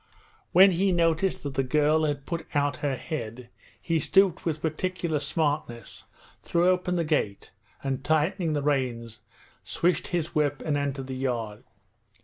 When he noticed that the girl had put out her head he stooped with particular smartness, threw open the gate and, tightening the reins, swished his whip and entered the yard.